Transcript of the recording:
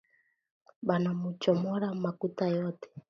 Banamuchomola makuta yote